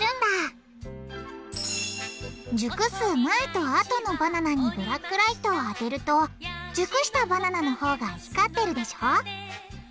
熟す前とあとのバナナにブラックライトを当てると熟したバナナのほうが光ってるでしょ